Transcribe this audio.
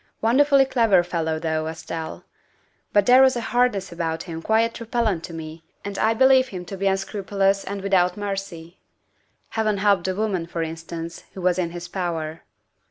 Wonderfully clever fellow, though, Estelle. But there was a hardness about him quite repellent to me and I believe him to be un scrupulous and without mercy. Heaven help the woman, for instance, who was in his power."